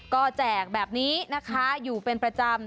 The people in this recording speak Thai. ก็แจกแบบนี้นะคะอยู่เป็นประจำ